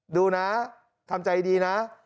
ดูนะทำใจดีนะ